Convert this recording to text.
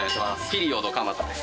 ピリオド蒲田です。